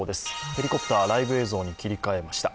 ヘリコプター、ライブ映像に切り替えました。